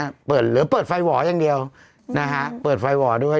เหลือเปิดไฟหว๋อย่างเดียวเปิดไฟหว๋ด้วย